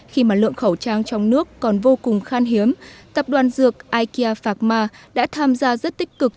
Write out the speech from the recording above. khi mà lượng khẩu trang trong nước còn vô cùng khan hiếm tập đoàn dược ikea phạc ma đã tham gia rất tích cực